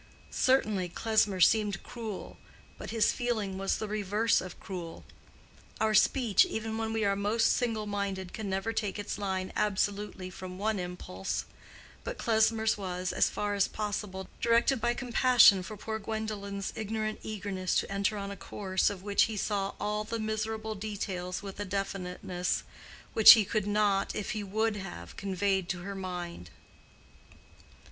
Certainly Klesmer seemed cruel, but his feeling was the reverse of cruel. Our speech, even when we are most single minded, can never take its line absolutely from one impulse; but Klesmer's was, as far as possible, directed by compassion for poor Gwendolen's ignorant eagerness to enter on a course of which he saw all the miserable details with a definiteness which he could not if he would have conveyed to her mind.